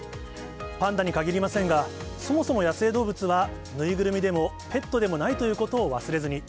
パンダに限りませんが、そもそも野生動物は、縫いぐるみでもペットでもないということを忘れずに。